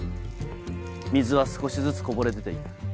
水は少しずつこぼれ出て行く。